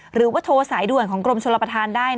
หรือว่าโทรสายด่วนของกรมชลประธานได้